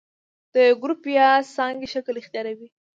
د یو ګروپ یا څانګې شکل اختیاروي.